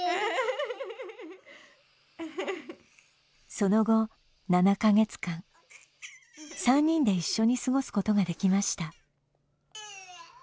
その後７か月間３人で一緒に過ごすことができました。